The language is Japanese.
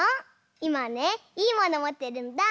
いまねいいものもってるんだ。